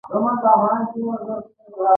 خاصه ډوډۍ ترتیب کړې وه.